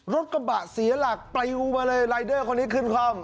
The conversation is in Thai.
รถกระบะเสียหลักปลิวมาเลยรายเดอร์คนนี้ขึ้นคล่อม